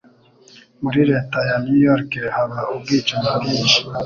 Muri Leta ya new York haba ubwicanyi bwinshi